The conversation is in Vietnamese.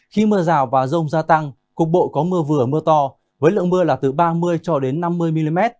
khi mưa rào và rông gia tăng cục bộ có mưa vừa mưa to với lượng mưa là từ ba mươi cho đến năm mươi mm